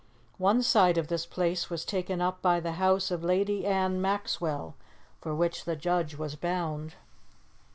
One side of this place was taken up by the house of Lady Anne Maxwell, for which the judge was bound.